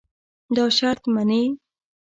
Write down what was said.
دا شرط منې.